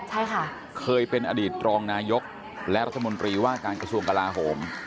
ใช่ค่ะเคยเป็นอดีตรองนายกและรัฐมนตรีว่าการกระทรวงกลาโหม